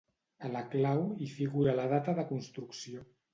A la clau hi figura la data de construcció.